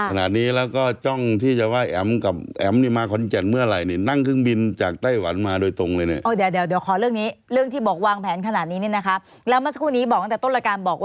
ขณะนี้แล้วก็จ้องที่จะว่าแอ๋มกับแอ๋มนี่มาขอนแก่นเมื่อไหร่เนี่ยนั่งเครื่องบินจากไต้หวันมาโดยตรงเลยเนี่ย